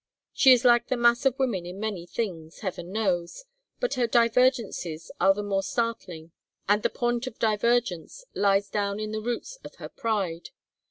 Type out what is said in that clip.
She is like the mass of women in many things, heaven knows, but her divergences are the more startling; and the point of divergence lies down in the roots of her pride.